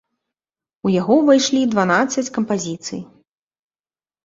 У яго ўвайшлі дванаццаць кампазіцый.